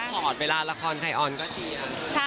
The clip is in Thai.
พอดเวลาละครใครออนก็เชียร์